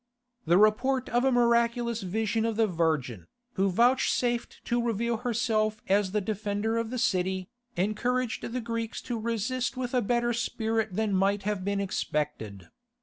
The report of a miraculous vision of the Virgin, who vouchsafed to reveal herself as the defender of the city, encouraged the Greeks to resist with a better spirit than might have been expected.